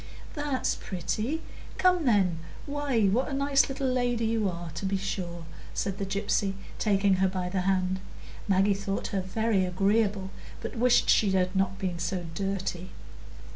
"That's pretty; come, then. Why, what a nice little lady you are, to be sure!" said the gypsy, taking her by the hand. Maggie thought her very agreeable, but wished she had not been so dirty.